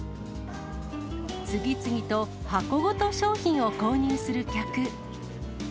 次々と箱ごと商品を購入する客。